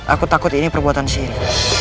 aku takut ini perbuatan sini